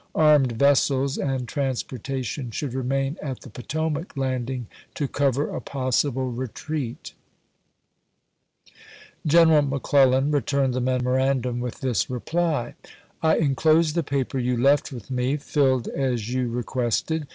Armed vessels and transportation should remain at the Potomac landing to cover a possible retreat. Chap. IX. Lincoln to McCleUan, Autograpli MS. General McClellan returned the memorandum with this reply: I inclose the paper you left with me, filled as you re quested.